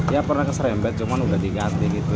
ya pernah keserempet cuman udah diganti gitu